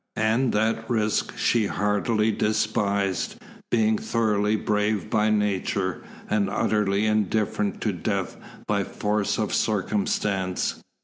And that risk she heartily despised, being thoroughly brave by nature, and utterly indifferent to death by force of circumstance.